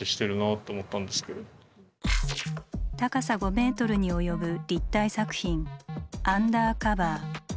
高さ５メートルに及ぶ立体作品「アンダーカバー」。